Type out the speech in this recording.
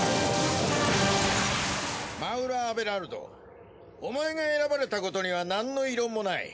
マウラ・アベラルドお前が選ばれたことには何の異論もない。